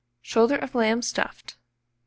SHOULDER OF LAMB STUFFED. 756.